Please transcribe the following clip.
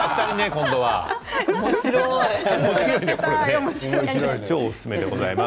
今日もおすすめでございます。